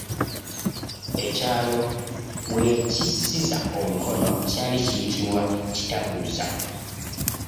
Ekyalo we yakisiza omukono kyali kiyitibwa Kitabuuza.